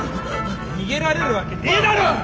逃げられるわけねえだろう！